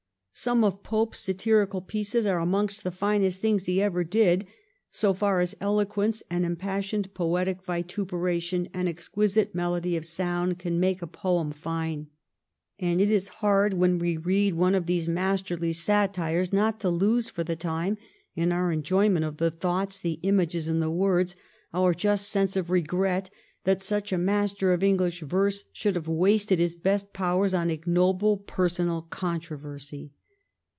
Some of Pope's satirical pieces are amongst the finest things he ever did, so far as eloquence and impassioned poetic vituperation and exquisite melody of sound can make a poem fine ; and it is hard when we read one of these masterly satires not to lose, for the time, in our enjoyment of the thoughts, the images, and the words, our just sense of regret that such a master of EngUsh verse should have wasted his best powers on ignoble personal controversy.